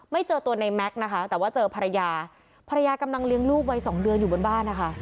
เจอตัวในแม็กซ์นะคะแต่ว่าเจอภรรยาภรรยากำลังเลี้ยงลูกวัยสองเดือนอยู่บนบ้านนะคะ